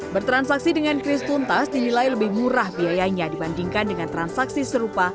bertransaksi dengan kris tuntas dinilai lebih murah biayanya dibandingkan dengan transaksi serupa